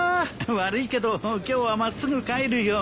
悪いけど今日は真っすぐ帰るよ。